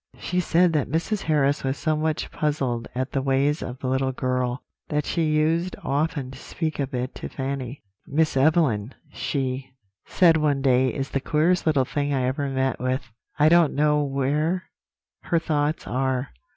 She said that Mrs. Harris was so much puzzled at the ways of the little girl, that she used often to speak of it to Fanny. "'Miss Evelyn,' she said one day, 'is the queerest little thing I ever met with; I don't know where her thoughts are.